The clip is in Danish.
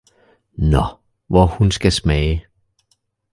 nå, hvor hun skal smage!